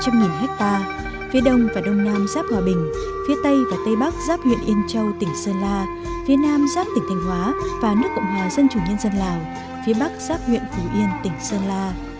phía nam giáp tỉnh thành hóa và nước cộng hòa dân chủ nhân dân lào phía bắc giáp huyện phú yên tỉnh sơn la